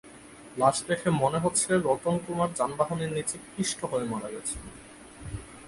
লাশ দেখে মনে হচ্ছে, রতন কুমার যানবাহনের নিচে পিষ্ট হয়ে মারা গেছেন।